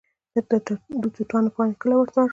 د توتانو پاڼې کله ورته ورکړم؟